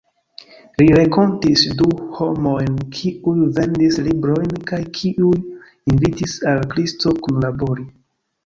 Li renkontis du homojn, kiuj vendis librojn, kaj kiuj invitis al Kristo kunlabori.